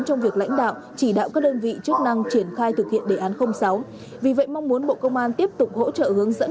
trong việc lãnh đạo chỉ đạo các đơn vị chức năng